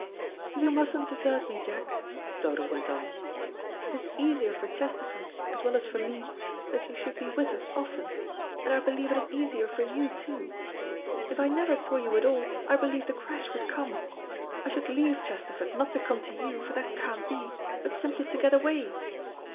"You mustn't desert me, Jack," Dodo went on. "It is easier for Chesterford, as well as for me, that you should be with us often, and I believe it is easier for you too. If I never saw you at all, I believe the crash would come. I should leave Chesterford, not to come to you, for that can't be, but simply to get away."